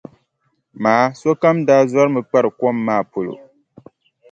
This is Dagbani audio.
Maa sokam daa zɔrimi kpari kom maa polo.